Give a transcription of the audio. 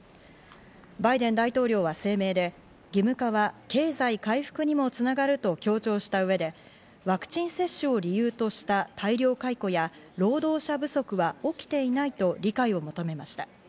バイデン大統領は声明で義務化は経済回復にもつながると強調した上で、ワクチン接種を理由とした大量解雇や労働者不足は起きていないと理解を求めました。